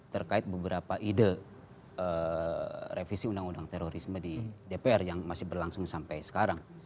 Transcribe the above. terkait beberapa ide revisi undang undang terorisme di dpr yang masih berlangsung sampai sekarang